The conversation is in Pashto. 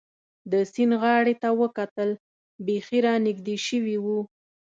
د سیند غاړې ته وکتل، بېخي را نږدې شوي و.